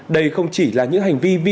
đây không chỉ là những hành vi viên